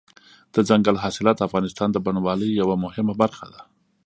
دځنګل حاصلات د افغانستان د بڼوالۍ یوه مهمه برخه ده.